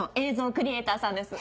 クリエイターさんです。